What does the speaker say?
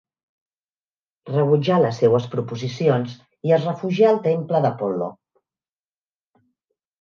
Rebutjà les seues proposicions i es refugià al temple d'Apol·lo